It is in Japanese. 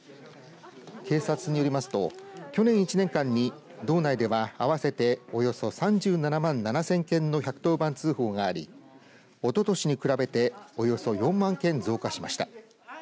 警察によりますと、去年１年間に道内では合わせておよそ３７万７０００件の１１０番通報がありおととしに比べておよそ４万件増加しました。